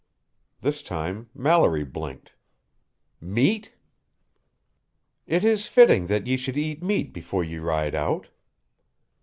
This time, Mallory blinked, "Meat?" "It is fitting that ye should eat meat afore ye ride out."